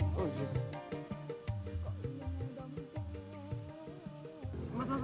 kok ini yang ngembangin keknya